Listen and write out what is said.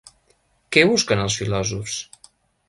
Què busquen els filòsofs?